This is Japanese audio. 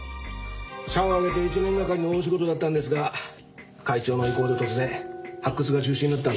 社を挙げて１年がかりの大仕事だったんですが会長の意向で突然発掘が中止になったんですよ。